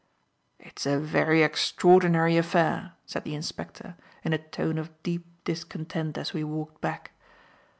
"It's a very extraordinary affair," said the inspector, in a tone of deep discontent, as we walked back.